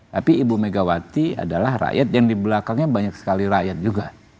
tapi ibu megawati adalah rakyat yang di belakangnya banyak sekali rakyat juga